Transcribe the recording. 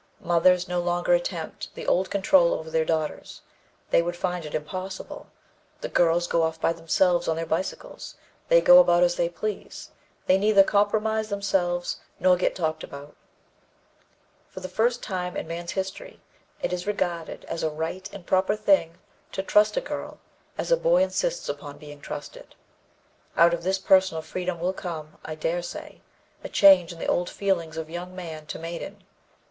Mothers no longer attempt the old control over their daughters; they would find it impossible. The girls go off by themselves on their bicycles; they go about as they please; they neither compromise themselves nor get talked about; for the first time in man's history it is regarded as a right and proper thing to trust a girl as a boy insists upon being trusted. Out of this personal freedom will come, I dare say, a change in the old feelings of young man to maiden.